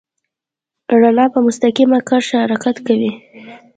رڼا په مستقیمه کرښه حرکت کوي.